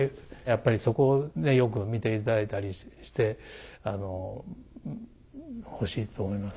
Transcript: やっぱりそこをねよく見ていただいたりしてほしいと思いますね。